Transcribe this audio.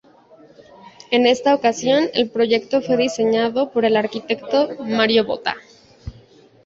En esta ocasión el proyecto fue diseñado por el arquitecto Mario Botta.